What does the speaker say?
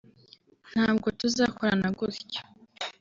Ntabwo tuzakorana gutyo